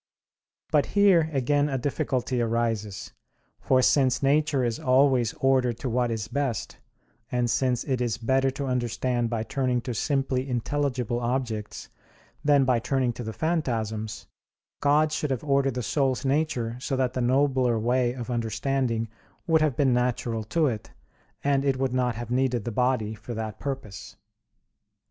But here again a difficulty arises. For since nature is always ordered to what is best, and since it is better to understand by turning to simply intelligible objects than by turning to the phantasms; God should have ordered the soul's nature so that the nobler way of understanding would have been natural to it, and it would not have needed the body for that purpose.